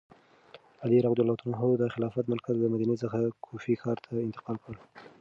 علي رض د خلافت مرکز له مدینې څخه کوفې ښار ته انتقال کړ.